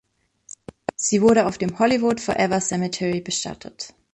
Sie wurde auf dem Hollywood Forever Cemetery bestattet.